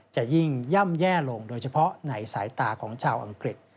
จะยิ่งย่ำแย่ลงโดยเฉพาะในสายตาของชาวอังกฤษ